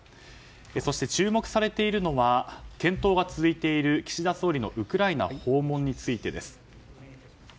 そして注目されているのは検討が続いている岸田総理のウクライナ訪問についてです。